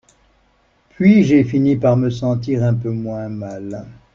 Puis, j’ai fini par me sentir un peu moins mal.